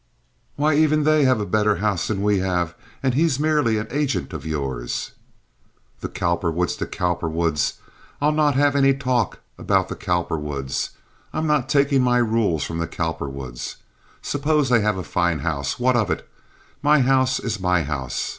"Why, even they have a better house than we have, and he's merely an agent of yours." "The Cowperwoods! The Cowperwoods! I'll not have any talk about the Cowperwoods. I'm not takin' my rules from the Cowperwoods. Suppose they have a fine house, what of it? My house is my house.